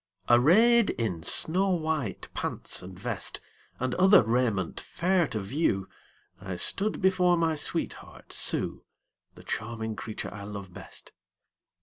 Arrayed in snow white pants and vest, And other raiment fair to view, I stood before my sweetheart Sue The charming creature I love best.